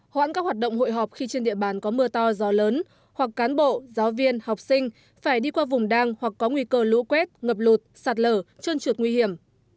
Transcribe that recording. hoãn các hoạt động hội họp khi trên địa bàn có mưa to gió lớn hoặc cán bộ giáo viên học sinh phải đi qua vùng đang hoặc có nguy cơ lũ quét ngập lụt sạt lở trơn trượt nguy hiểm